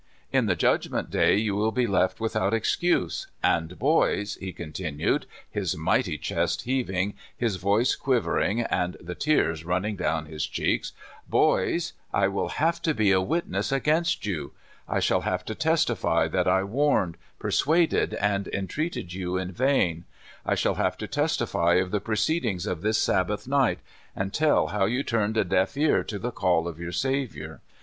In the judgment day you will be left without excuse. And boys," he contin\ied, his mighty chest heaving, his voice quiv ering, and the tears running down his cheeks, " boys, I will have to be a witness against you. I shall have to testify that I warned, persuaded, and entreated you in vain. I shall have to testify of tlie proceedings of this Sabbath night, and tell how you turned a deaf ear to the call of your Saviour.